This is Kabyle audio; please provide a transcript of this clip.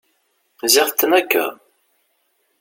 Ziɣ tetnakeḍ!